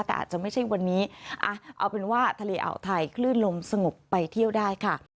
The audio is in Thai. แต่อาจจะไม่ใช่วันนี้เอาเป็นว่าทะเลอ่าวไทยคลื่นลมสงบไปเที่ยวได้ค่ะ